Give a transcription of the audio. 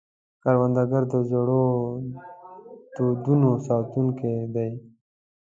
کروندګر د زړو دودونو ساتونکی دی